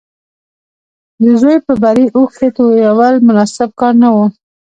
د زوی پر بري اوښکې تويول مناسب کار نه و